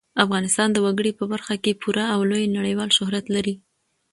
افغانستان د وګړي په برخه کې پوره او لوی نړیوال شهرت لري.